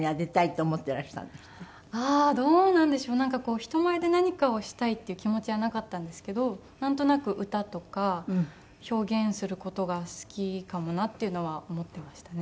人前で何かをしたいっていう気持ちはなかったんですけどなんとなく歌とか表現する事が好きかもなっていうのは思っていましたね。